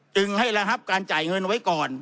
จึงให้ระงับการจ่ายเงินไว้ก่อน